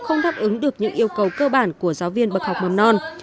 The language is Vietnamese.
không đáp ứng được những yêu cầu cơ bản của giáo viên bậc học mầm non